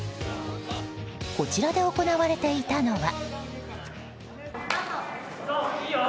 こちらで行われていたのは。